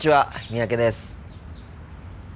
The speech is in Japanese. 三宅です。